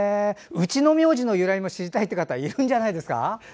うちの名字の由来も知りたいという方いるんじゃないですか。